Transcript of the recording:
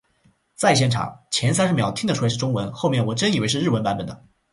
在现场，前三十秒听得出来是中文，后面我真以为是日文版本的